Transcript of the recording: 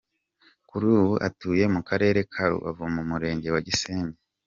Kuri ubu atuye mu Karere ka Rubavu mu Murenge wa Gisenyi.